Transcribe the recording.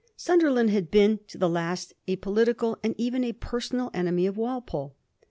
Sunderland had been to the last a political, and even a personal, enemy of Walpole.